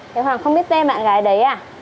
thế hoàng không biết tên bạn gái đấy à